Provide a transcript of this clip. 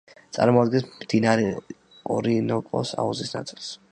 წარმოადგენს მდინარე ორინოკოს აუზის ნაწილს.